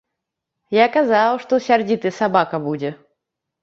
Я казаў, што сярдзіты сабака будзе.